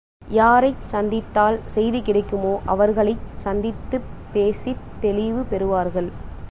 யாரைச் சந்தித்தால் செய்தி கிடைக்குமோ அவர்களைச் சந்தித்துப் பேசித் தெளிவு பெறுவார்கள்.